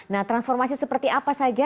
nah transformasi seperti apa saja